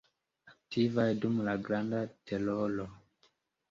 Aktivaj dum la Granda teroro.